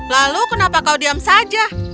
lalu kenapa kau diam saja